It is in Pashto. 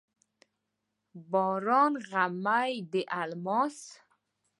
باران غمي د الماس،